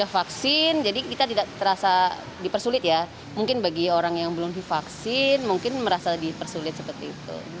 vaksin jadi kita tidak terasa dipersulit ya mungkin bagi orang yang belum divaksin mungkin merasa dipersulit seperti itu